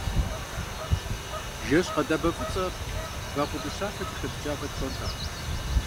Жэщ къэдабэ фӏыцӏэр вагъуэ дыщафэкӏэ хэдыкӏа фэкӏ пщӏэнтэкъым.